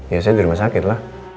ya saya di rumah sakit lah